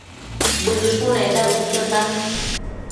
Bëshunenda bëquiota